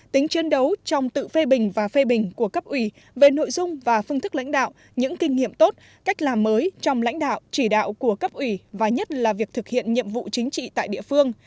tính chiến đấu trong tự phê bình và phê bình của cấp ủy về nội dung và phương thức lãnh đạo những kinh nghiệm tốt cách làm mới trong lãnh đạo chỉ đạo của cấp ủy và nhất là việc thực hiện nhiệm vụ chính trị tại địa phương